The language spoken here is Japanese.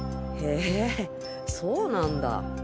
へぇそうなんだ。